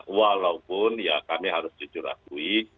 walaupun ya kami harus jujur akui